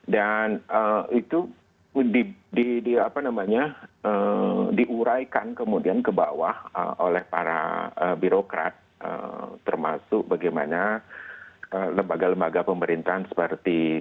dan itu di apa namanya diuraikan kemudian ke bawah oleh para birokrat termasuk bagaimana lembaga lembaga pemerintahan seperti tni dan polri